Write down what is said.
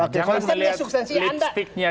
jangan melihat lipsticknya